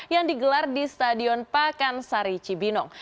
yang digelar di stadion pakansari cibinong